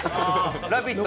「ラヴィット！」